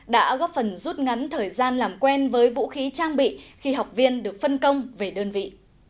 đã góp phần rút ngắn thời gian làm quen với vũ khí trang bị khi học viên được phân công về đơn vị